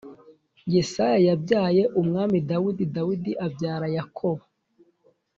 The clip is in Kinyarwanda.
Yesaya yabyaye umwami dawidi ,dawidi abyara yakobo